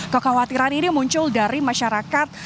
kekhawatiran ini muncul dari masyarakat